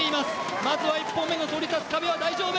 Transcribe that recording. まずは１本目のそり立つ壁は大丈夫。